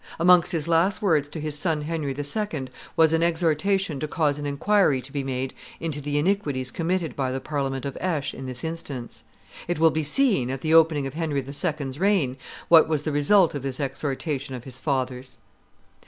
Amongst his last words to his son Henry II. was an exhortation to cause an inquiry to be made into the iniquities committed by the Parliament of Aix in this instance. It will be seen, at the opening of Henry II.'s reign, what was the result of this exhortation of his father's.